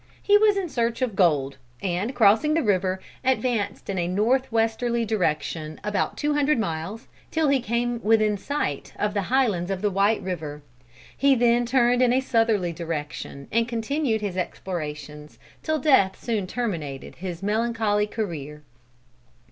He was in search of gold, and crossing the river, advanced in a north westerly direction about two hundred miles, till he came within sight of the Highlands of the White River. He then turned in a southerly direction, and continued his explorations, till death soon terminated his melancholy career.